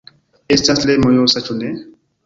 Estas tre mojosa, ĉu ne?